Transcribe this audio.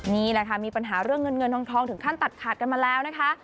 นี่แหละค่ะมีปัญหาเรื่องเงินเงินทองถึงขั้นตัดขาดกันมาแล้วนะคะ